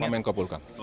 bnpt menko puluh kami